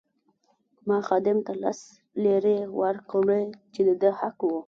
ما خادم ته لس لیرې ورکړې چې د ده حق وو.